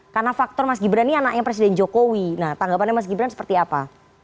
karena faktor mas gibran ini anaknya presiden jokowi nah tanggapannya mas gibran seperti apa